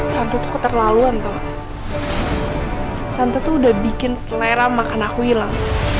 tante tuh keterlaluan tuh tante tuh udah bikin selera makanan aku hilang